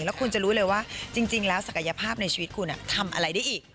แล้วคุณจะรู้เลยว่าจริงแล้วศักยภาพในชีวิตคุณทำอะไรได้อีก